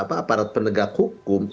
aparat penegak hukum